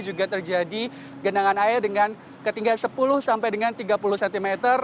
juga terjadi genangan air dengan ketinggian sepuluh sampai dengan tiga puluh cm